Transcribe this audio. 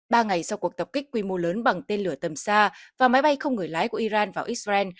ba ngày sau cuộc tập kích quy mô lớn bằng tên lửa tầm xa và máy bay không người lái của iran vào israel